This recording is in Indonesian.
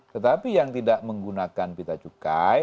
tetapi yang tidak menggunakan pita cukai